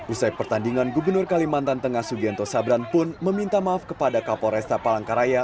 usai pertandingan gubernur kalimantan tengah sugianto sabran pun meminta maaf kepada kapolresta palangkaraya